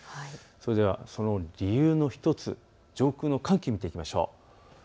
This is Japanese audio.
それではその理由の１つ上空の寒気を見ていきましょう。